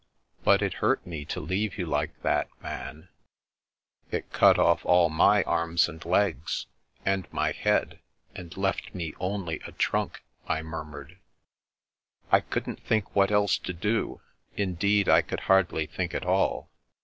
But it hurt me to leave you like that, Man." It cut off all my arms and legs, and my head, and left me only a trunk," I murmured. " I couldn't think what else to do; indeed, I could hardly think at all.